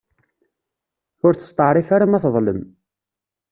Ur testeεrif ara ma teḍlem.